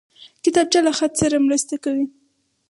کتابچه له خط سره مرسته کوي